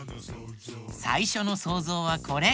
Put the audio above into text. さいしょのそうぞうはこれ。